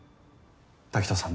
滝藤さん